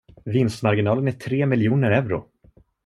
Vinstmarginalen är tre miljoner euro!